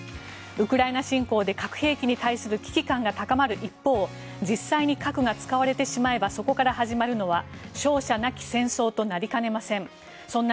ウクライナ侵攻で核兵器に対する危機感が高まる一方実際に核が使われてしまえばそこから始まるのは勝者なき戦争となりかねません。